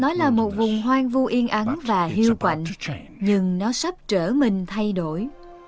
nó là một vùng hoang vu yên ắn và hưu quảnh nhưng nó sắp trở mình thay đổi